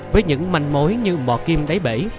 với những mảnh mối như bò kim đáy bể